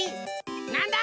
なんだ？